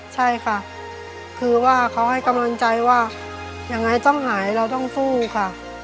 ใช่ค่ะคือว่าเขาให้กำลังใจว่ายังไงต้องหายเราต้องสู้ค่ะ